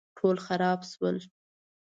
ټول خراب شول